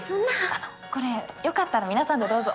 あっこれ良かったら皆さんでどうぞ。